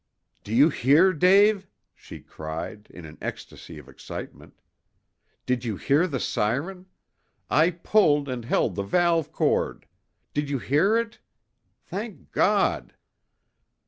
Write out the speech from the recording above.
"Do you hear, Dave?" she cried, in an ecstasy of excitement. "Did you hear the siren! I pulled and held the valve cord! Did you hear it! Thank God!"